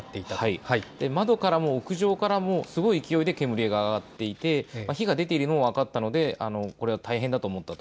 窓からも屋上からもすごい勢いで煙が上がっていて火が出ているのが分かったのでこれは大変だと思ったと。